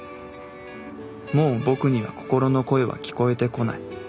もう僕には心の声は聞こえてこない。